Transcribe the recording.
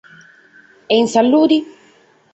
Est in salude?